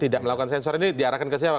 tidak melakukan sensor ini diarahkan ke siapa